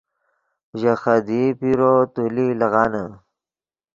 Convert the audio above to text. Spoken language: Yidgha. ژے خدیئی پیرو تولی لیغانے